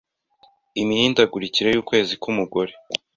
Imihindagurikire y’ukwezi k’umugore